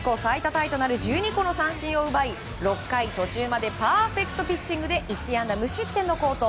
タイとなる１２個の三振を奪い６回途中までパーフェクトピッチングで１安打無失点の好投。